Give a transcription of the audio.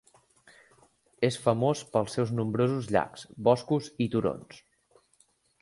És famós pels seus nombrosos llacs, boscos i turons.